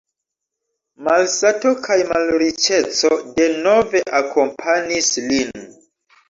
Malsato kaj malriĉeco denove akompanis lin.